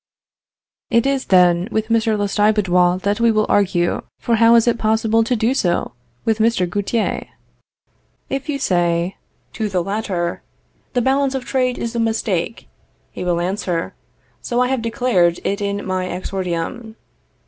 It is, then, with Mr. Lestiboudois that we will argue, for how is it possible to do so with Mr. Gauthier? If you say to the latter, the balance of trade is a mistake, he will answer, So I have declared it in my exordium.